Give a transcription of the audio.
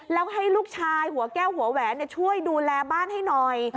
แล้วให้ลูกชายหัวแก้วหัวแหวนช่วยดูแลบ้านให้หน่อย